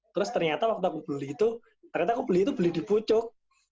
terus ternyata waktu aku beli itu ternyata aku beli itu beli di pucuk